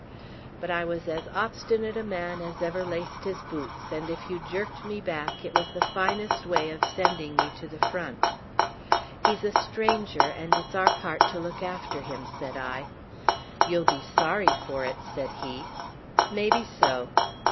But I was as obstinate a man as ever laced his boots, and if you jerked me back it was the finest way of sending me to the front. "He's a stranger, and it's our part to look after him," said I. "You'll be sorry for it," Said he. "Maybe so."